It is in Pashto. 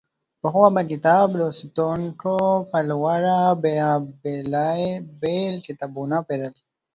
پخوا به کتاب لوستونکو په لوړه بیه بېلابېل کتابونه پېرل.